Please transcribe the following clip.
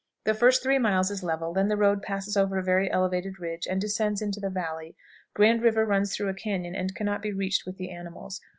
The first 3 miles is level, then the road passes over a very elevated ridge, and descends into the valley. Grand River runs through a cañon, and can not be reached with the animals.